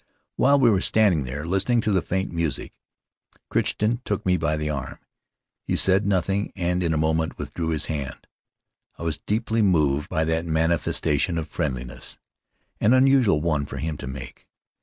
While we were standing there, listening to the faint music, Crichton took me by the arm. He said nothing, and in a moment withdrew his hand. I was deeply moved by that manifestation of friendliness, an unusual one for him to make.